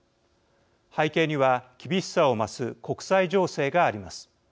背景には厳しさを増す国際情勢があります。